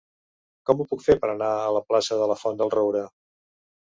Com ho puc fer per anar a la plaça de la Font del Roure?